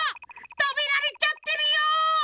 食べられちゃってるよ。